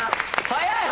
早い！